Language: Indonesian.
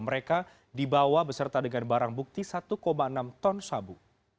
mereka dibawa beserta dengan barang bukti satu enam ton sabu